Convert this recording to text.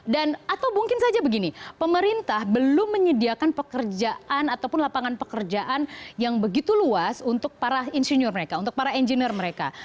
dan atau mungkin saja begini pemerintah belum menyediakan pekerjaan ataupun lapangan pekerjaan yang begitu luas untuk para engineer mereka